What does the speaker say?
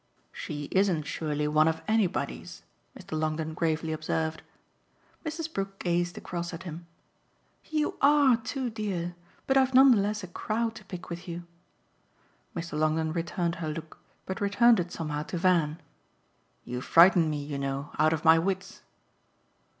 "She isn't surely one of anybody's," Mr. Longdon gravely observed. Mrs. Brook gazed across at him. "You ARE too dear! But I've none the less a crow to pick with you." Mr. Longdon returned her look, but returned it somehow to Van. "You frighten me, you know, out of my wits."